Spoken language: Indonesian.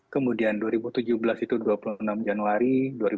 kemudian dua ribu tujuh belas itu dua puluh enam januari